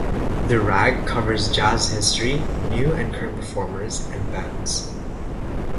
"The Rag" covers jazz history, new and current performers, and bands.